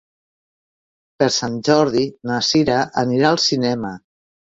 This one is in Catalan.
Per Sant Jordi na Cira anirà al cinema.